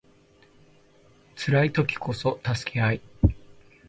辛い時こそ助け合い